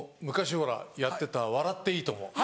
昔ほらやってた『笑っていいとも！』。